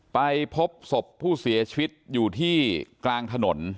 ไปพบศพผู้เสียชีวิตอยู่ที่กลางถนน